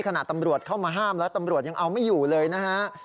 ตำรวจเข้ามาห้ามแล้วตำรวจยังเอาไม่อยู่เลยนะฮะ